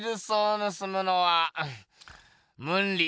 ぬすむのはムンリ・ヨソー。